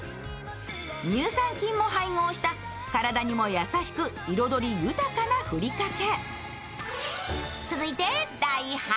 乳酸菌も配合した体にも優しく彩り豊かなふりかけ。